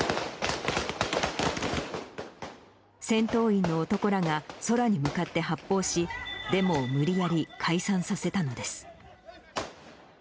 戦闘員の男らが空に向かって発砲し、デモを無理やり解散させたのです。